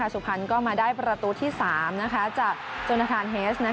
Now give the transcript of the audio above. สุพรรณก็มาได้ประตูที่๓จากจนทานเฮส